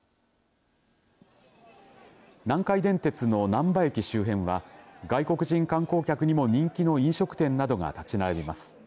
南海電鉄のなんば駅周辺は外国人観光客にも人気の飲食店などが立ち並びます。